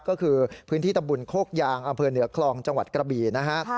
ก็คือพื้นที่ตำบลโคกยางอำเภอเหนือคลองจังหวัดกระบี่นะฮะ